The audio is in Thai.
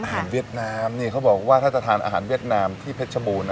เวียดนามเขาบอกว่าถ้าจะทานอาหารเวียดนามที่เพชรบูรณ